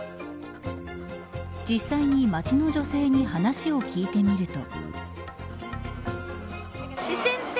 実際に街の女性に話を聞いてみると。